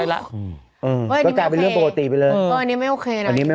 แล้วเรือดไหลละ